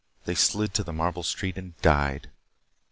They slid to the marble street and died.